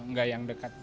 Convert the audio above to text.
enggak yang dekat